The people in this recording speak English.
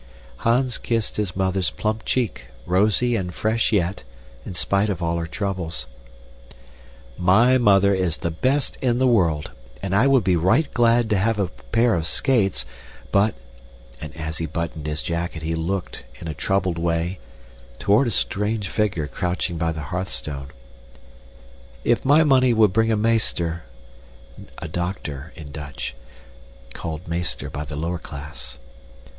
Hans kissed his mother's plump cheek, rosy and fresh yet, in spite of all her troubles. "My mother is the best in the world, and I would be right glad to have a pair of skates, but" and as he buttoned his jacket he looked, in a troubled way, toward a strange figure crouching by the hearthstone "if my money would bring a meester *{Doctor (dokter in Dutch), called meester by the lower class.